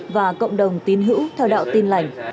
và cộng đồng tín hữu theo đạo tin lạnh